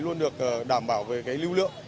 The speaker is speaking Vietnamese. luôn được đảm bảo về lưu lượng